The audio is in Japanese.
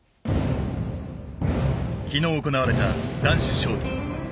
昨日行われた男子ショート。